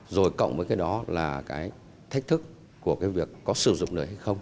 rồi cộng với cái đó là cái thách thức của cái việc có sử dụng nữa hay không